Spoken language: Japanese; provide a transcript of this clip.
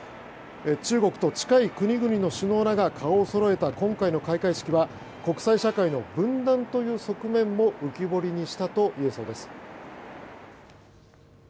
中国と近い国々の首脳らが顔をそろえた今回の開会式は国際社会の分断という側面も浮き彫りにしたといえそうです。